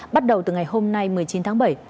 bắt đầu từ ngày hôm nay một mươi chín tháng bảy